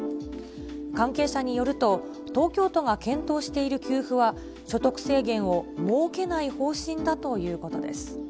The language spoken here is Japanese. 関係者によると、東京都が検討している給付は、所得制限を設けない方針だということです。